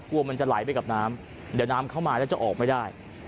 กลัวมันจะไหลไปกับน้ำเดี๋ยวน้ำเข้ามาแล้วจะออกไม่ได้